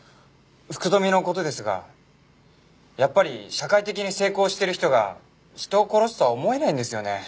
福富の事ですがやっぱり社会的に成功してる人が人を殺すとは思えないんですよね。